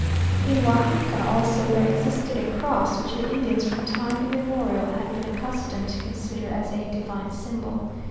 In Oajaca also there existed a cross which the Indians from time immemorial had been accustomed to consider as a divine symbol.